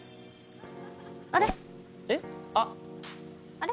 あれ？